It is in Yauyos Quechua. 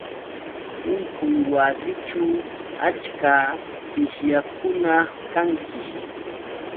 Unquywasićhu achka qishyaqkuna kanki